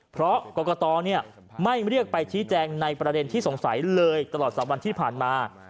เพราะกรกตไม่เรียกไปชี้แจงในประเด็นที่สงสัยเลยตลอด๓วันที่ผ่านมา